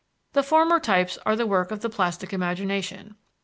The former types are the work of the plastic imagination.